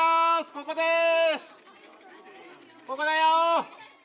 ここだよ！